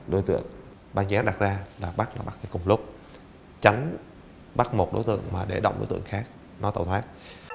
đối tượng ba nhé đặt ra là bắt nó bắt ở cùng lúc tránh bắt một đối tượng mà để động đối tượng khác nó tẩu thoát